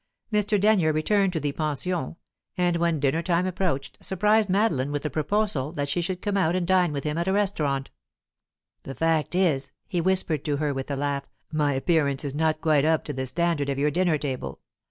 Mr. Denyer returned to the pension, and, when dinnertime approached, surprised Madeline with the proposal that she should come out and dine with him at a restaurant. "The fact is," he whispered to her, with a laugh, "my appearance is not quite up to the standard of your dinner table.